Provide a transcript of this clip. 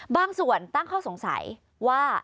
บางส่วนตั้งข้อสงสัยว่า